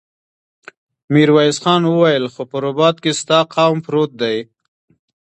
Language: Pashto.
ميرويس خان وويل: خو په رباط کې ستا قوم پروت دی.